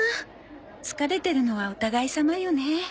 疲れてるのはお互いさまよね